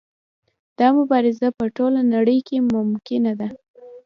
دا مبارزه په ټوله نړۍ کې ممکنه ده.